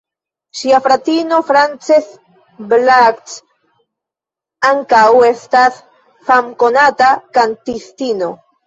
Ŝia fratino Frances Black ankaŭ estas famkonata kantistino.